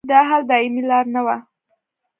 د حل دایمي لار نه وه.